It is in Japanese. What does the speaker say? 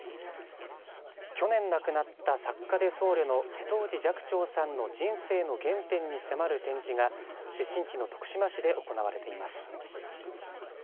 去年、亡くなった作家で僧侶の瀬戸内寂聴さんの人生の原点に迫る展示が出身地の徳島市で行われています。